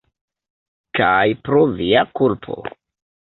Kaj pro via kulpo.